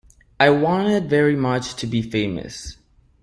I wanted very much to be famous.